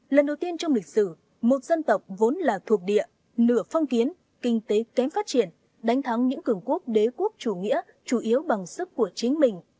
lần đầu tiên trong lịch sử một dân tộc vốn là thuộc địa nửa phong kiến kinh tế kém phát triển đánh thắng những cường quốc đế quốc chủ nghĩa chủ yếu bằng sức của chính mình